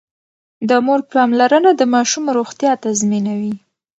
د مور پاملرنه د ماشوم روغتيا تضمينوي.